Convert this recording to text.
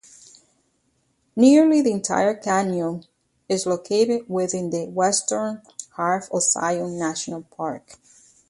Nearly the entire canyon is located within the western half of Zion National Park.